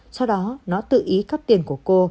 sau đó nó tự ý cắp tiền của cô